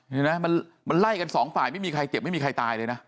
เห็นไหมมันไล่กันสองฝ่ายไม่มีใครเจ็บไม่มีใครตายเลยนะ